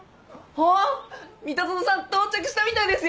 あっ三田園さん到着したみたいですよ！